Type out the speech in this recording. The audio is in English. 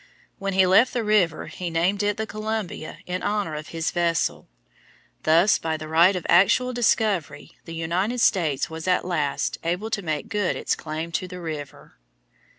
When he left the river he named it the Columbia in honor of his vessel. Thus by the right of actual discovery the United States was at last able to make good its claim to the river.